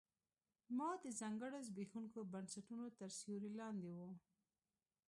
دا د ځانګړو زبېښونکو بنسټونو تر سیوري لاندې و